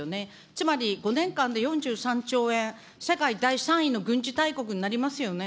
つまり５年間で４３兆円、世界３位の軍事大国になりますよね。